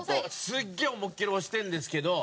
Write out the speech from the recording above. すっげえ思いきり押してるんですけど。